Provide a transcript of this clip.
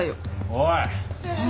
おい。